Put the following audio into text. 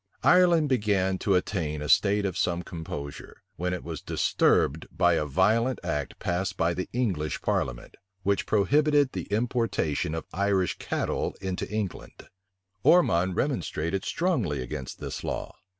Ireland began to attain a state of some composure, when it was disturbed by a violent act passed by the English parliament, which prohibited the importation of Irish cattle into England.[*] * In 1666. Ormond remonstrated strongly against this law.